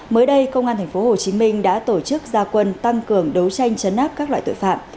mới đây công an tp hcm đã tổ chức gia quân tăng cường đấu tranh chấn áp các loại tội phạm